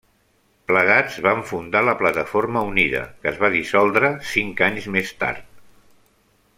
Plegats van fundar la Plataforma Unida, que es va dissoldre cinc anys més tard.